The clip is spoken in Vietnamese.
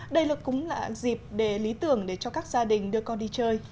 đây là cũng là dịp để lý tưởng cho các gia đình đưa con đi chơi